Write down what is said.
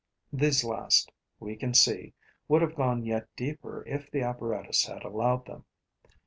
These last, we can see, would have gone yet deeper if the apparatus had allowed them.